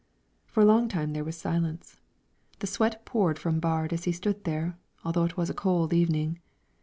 For a long time there was silence; the sweat poured from Baard as he stood there, although it was a cold evening.